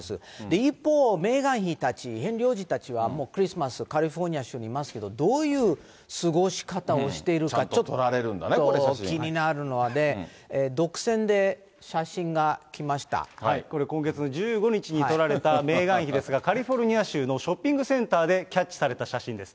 一方、メーガン妃たち、ヘンリー王子たちは、クリスマス、カリフォルニア州にいますけど、どういう過ごし方をしているか、気になるので、独占で写真がこれ、今月の１５日に撮られたメーガン妃ですが、カリフォルニア州のショッピングセンターでキャッチされた写真です。